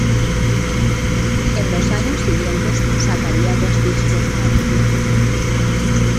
En los años siguientes sacaría dos discos más.